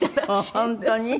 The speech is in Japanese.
本当に？